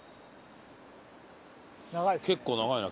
結構長いな。